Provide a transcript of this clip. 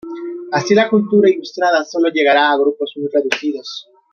Así la cultura ilustrada solo llegará a grupos muy reducidos.